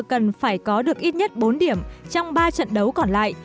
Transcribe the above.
cần phải có được ít nhất bốn điểm trong ba trận đấu còn lại